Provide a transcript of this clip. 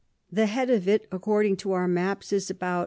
The Head of it, according to our Maps, is about N.